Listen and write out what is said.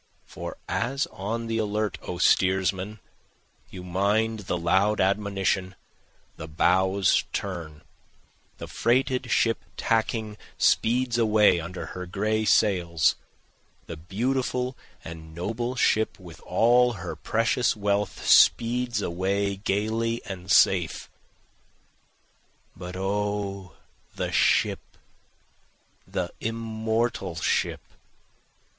For as on the alert O steersman, you mind the loud admonition, The bows turn, the freighted ship tacking speeds away under her gray sails, The beautiful and noble ship with all her precious wealth speeds away gayly and safe. But O the ship, the immortal ship!